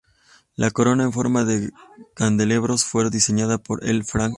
La corona en forma de candelabros fueron diseñadas por L. Frank Baum.